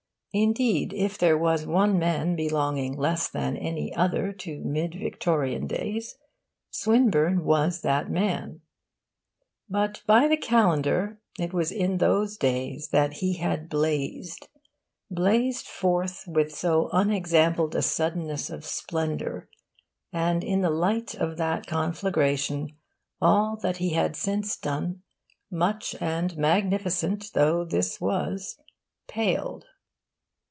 Indeed, if there was one man belonging less than any other to Mid Victorian days, Swinburne was that man. But by the calendar it was in those days that he had blazed blazed forth with so unexampled a suddenness of splendour; and in the light of that conflagration all that he had since done, much and magnificent though this was, paled.